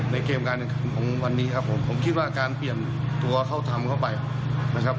ในเกมการของวันนี้ครับผมผมคิดว่าการเปลี่ยนตัวเข้าธรรมเข้าไปนะครับ